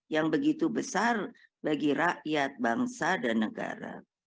yang begitu besar bagi rakyat bangsa dan negara